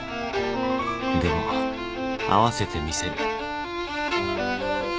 でも合わせてみせる